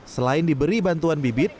selain diberi bantuan bibit